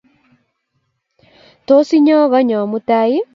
Tos inyo konyon mutai ii?